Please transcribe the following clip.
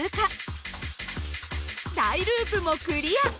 大ループもクリア。